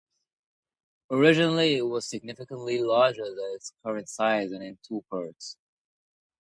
Originally it was significantly larger than its current size and in two parts.